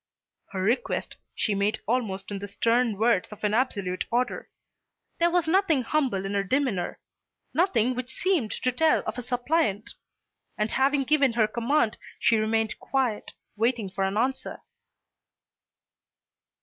Her request she made almost in the stern words of an absolute order. There was nothing humble in her demeanour, nothing which seemed to tell of a suppliant. And having given her command she remained quiet, waiting for an answer.